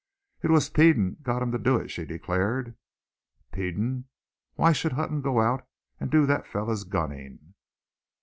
"It was Peden got him to do it," she declared. "Peden? Why should Hutton go out to do that fellow's gunning?"